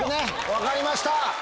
分かりました！